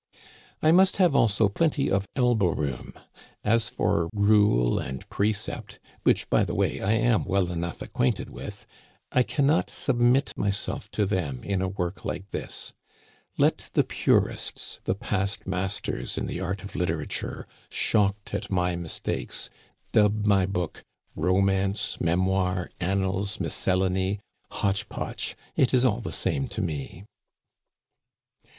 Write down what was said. I must have also plenty of elbow room. As for rule and precept — which, by the way, I am well enough ac quainted with — I can not submit myself to them in a work like this. Let the purists, the past masters in the art of literature, shocked at my mistakes, dub my book romance, memoir, annals, miscellany, hotch potch. It is all the same to me.